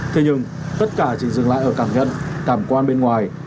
thế nhưng tất cả chỉ dừng lại ở cảm nhận cảm quan bên ngoài